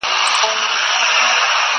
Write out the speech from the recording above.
په یوه شان وه د دواړو معاسونه